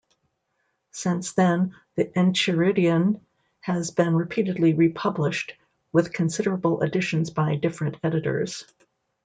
Since then, the Enchiridion has been repeatedly republished, with considerable additions by different editors.